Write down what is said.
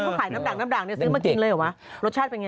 รสชาติเป็นอย่างไร